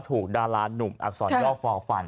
ถูกดารานุ่มอักษรย่อฟอร์ฟัน